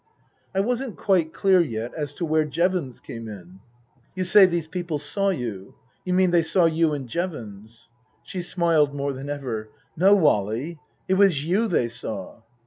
I wasn't quite clear yet as to where Jevons came in. " You say these people saw you. You mean they saw you and Jevons ?" She smiled more than ever. " No, Wally. It was you they saw."